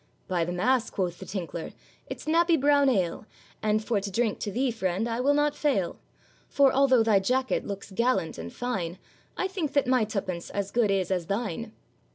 'By the mass!' quoth the tinkler, 'it's nappy brown ale, And for to drink to thee, friend, I will not fail; For although thy jacket looks gallant and fine, I think that my twopence as good is as thine.